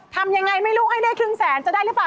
ทำยังไงไม่รู้ให้ได้ครึ่งแสนจะได้หรือเปล่า